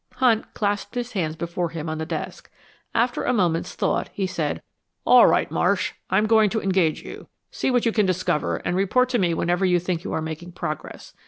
Hunt clasped his hands before him on the desk. After a moment's thought, he said, "All right, Marsh, I'm going to engage you. See what you can discover, and report to me whenever you think you are making progress.